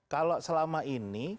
kalau selama ini